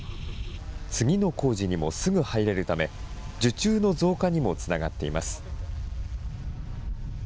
次の工事にもすぐ入れるため、受注の増加にもつながっています。